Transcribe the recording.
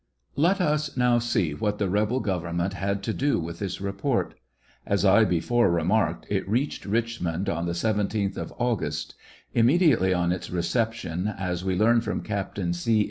Let us now see what the rebel government had to do with this report. As . I before remarked, it reached Richmond on the 17th day of Aujjust. Immedi ately on its reception, as we learn from Captain C.